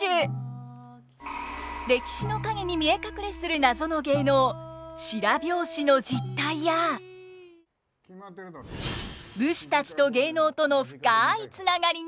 歴史の陰に見え隠れする謎の芸能白拍子の実態や武士たちと芸能との深いつながりに迫ります。